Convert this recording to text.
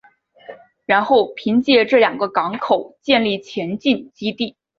然后凭借这两个港口建立前进基地。